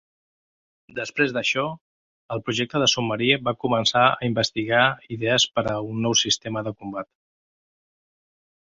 Després d'això, el projecte de submarí va començar a investigar idees per a un nou sistema de combat.